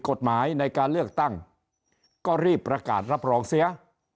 กฎหมายในการเลือกตั้งก็รีบประกาศรับรองเสีย